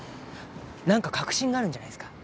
なんか確信があるんじゃないですか？